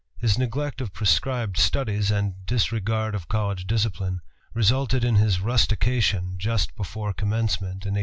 His neglect of prescribed studies, and disregard of college discipline, resulted in his rustication just before commencement in 1838.